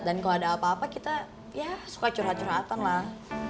dan kalau ada apa apa kita ya suka curhat curhatan lah